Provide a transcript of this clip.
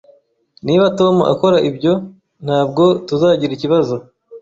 Niba Tom akora ibyo, ntabwo tuzagira ikibazo